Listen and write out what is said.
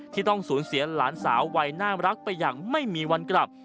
ที่ต้องสูญเสียหลานสาววัยน่ารักไปอย่างไม่มีวันกลับ